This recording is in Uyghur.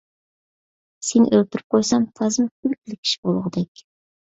سېنى ئۆلتۈرۈپ قويسام، تازىمۇ كۈلكىلىك ئىش بولغۇدەك.